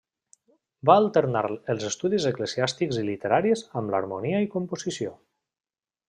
Va alternar els estudis eclesiàstics i literaris amb l'harmonia i composició.